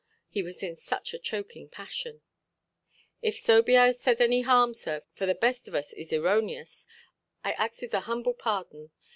He was in such a choking passion. "If so be I have said any harm, sir, for the best of us is errowneous, I axes a humble pardon.